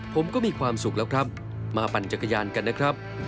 ผมก็มีความสุขแล้วครับมาปั่นจักรยานกันนะครับ